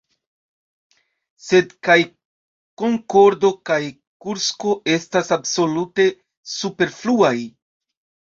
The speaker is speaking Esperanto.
Sed kaj Konkordo kaj Kursko estas absolute superfluaj.